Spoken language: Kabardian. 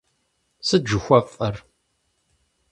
Сыт жыхуэфӀэр?